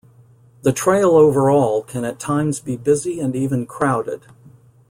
The trail overall can at times be busy and even crowded.